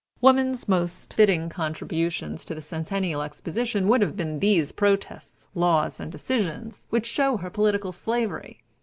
Woman's most fitting contributions to the Centennial Exposition would have been these protests, laws, and decisions, which show her political slavery.